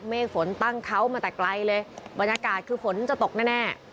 เมฆฝนตั้งเขามาแต่ไกลเลยบรรยากาศคือฝนจะตกแน่